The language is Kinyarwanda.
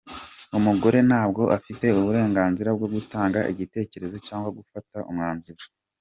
Umugore ntabwo afite uburenganzira bwo gutanga igitekerezo cyangwa gufata umwanzuro.